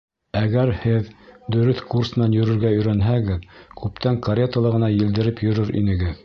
Әгәр һеҙ дөрөҫ курс менән йөрөргә өйрәнһәгеҙ, күптән каретала ғына елдереп йөрөр инегеҙ.